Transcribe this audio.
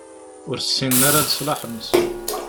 Ur ssinen ara leṣlaḥ-nsen.